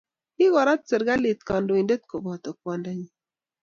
Kikorat serkalit kandoindet koboto kwondonyi